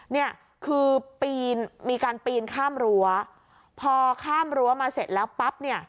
เนี่ยคือปีนมีการปีนข้ามรั้วพอข้ามรั้วมาเสร็จแล้วปั๊บเนี่ย